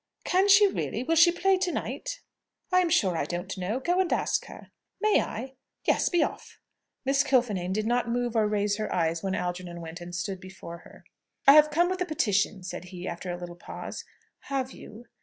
"Can she really? Will she play to night?" "I'm sure I don't know. Go and ask her." "May I?" "Yes; be off." Miss Kilfinane did not move or raise her eyes when Algernon went and stood before her. "I have come with a petition," he said, after a little pause. "Have you?"